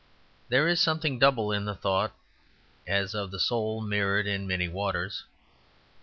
There is something double in the thoughts as of the soul mirrored in many waters.